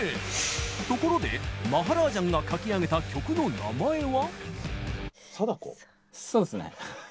ところでマハラージャンが書き上げた曲の名前は。